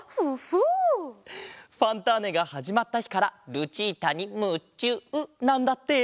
「ファンターネ！」がはじまったひからルチータにむちゅうなんだって！